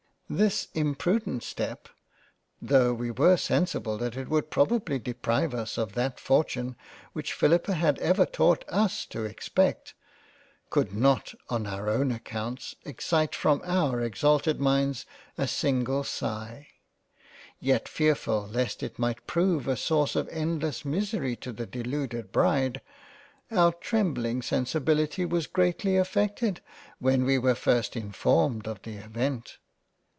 This imprudent 16 ^ LOVE AND FREINDSHIP £ step (tho* we were sensible that it would probably deprive us of that fortune which Philippa had ever taught us to ex pect) could not on our own accounts, excite from our exalted minds a single sigh ; yet fearfull lest it might prove a source of endless misery to the deluded Bride, our trembling Sensi bility was greatly affected when we were first informed of the Event.